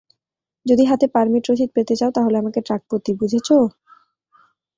যদি হাতে পারমিট রশিদ পেতে চাও তাহলে আমাকে ট্রাকপ্রতি বুঝেছ?